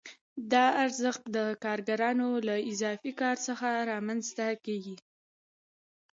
دا ارزښت د کارګرانو له اضافي کار څخه رامنځته کېږي